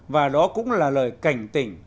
và đó cũng là lời cảnh tình